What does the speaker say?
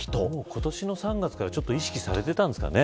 今年の３月から意識されていたんですかね。